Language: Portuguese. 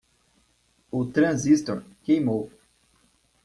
O transistor queimou